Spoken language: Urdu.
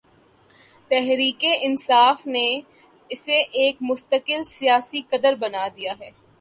تحریک انصاف نے اسے ایک مستقل سیاسی قدر بنا دیا ہے۔